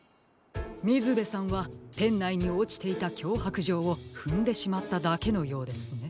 みずべさんはてんないにおちていたきょうはくじょうをふんでしまっただけのようですね。